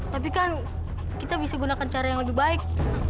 tapi kan kita bisa gunakan cara yang lebih baik